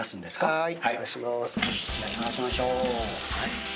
はい。